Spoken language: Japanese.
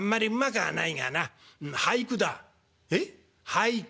俳句！？